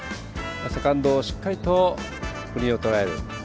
セカンドをしっかりとグリーンをとらえる。